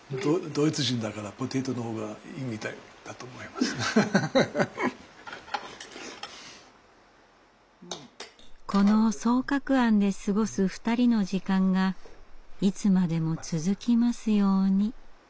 まあこの双鶴庵で過ごす２人の時間がいつまでも続きますように。